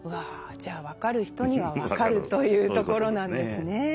じゃあ分かる人には分かるというところなんですね。